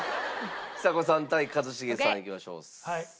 ちさ子さん対一茂さんいきましょう。